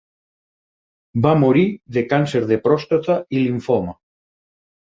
Va morir de càncer de pròstata i limfoma.